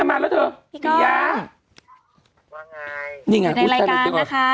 ในรายการนะคะ